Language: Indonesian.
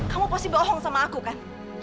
kamu pasti bohong sama aku kan